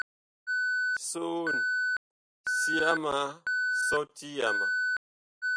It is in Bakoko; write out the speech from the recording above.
Soon, sia ma sɔti yama.